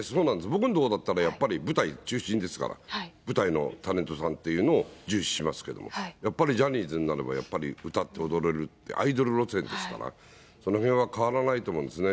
僕のとこだったらやっぱり、舞台中心ですから、舞台のタレントさんっていうのを重視しますけれども、やっぱりジャニーズになれば、やっぱり歌って踊れるって、アイドル路線ですから、そのへんは変わらないと思うんですね。